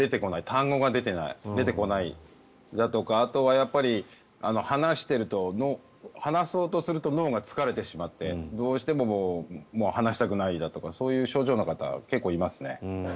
単語が出てこないだとかあとは、やっぱり話そうとすると脳が疲れてしまってどうしても話したくないだとかそういう症状の方結構いますね。